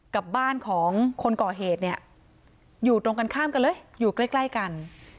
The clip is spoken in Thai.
กับบ้านของคนก่อเหตุเนี่ยอยู่ตรงกันข้ามกันเลยอยู่ใกล้กัน